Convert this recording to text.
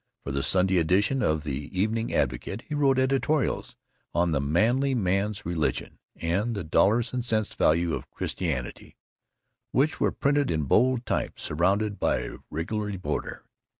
For the Saturday edition of the Evening Advocate he wrote editorials on "The Manly Man's Religion" and "The Dollars and Sense Value of Christianity," which were printed in bold type surrounded by a wiggly border.